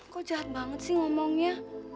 kok jahat banget sih ngomongnya